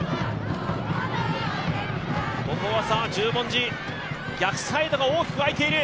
ここは十文字、逆サイドが大きく空いている。